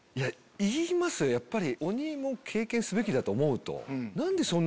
言いますよやっぱり。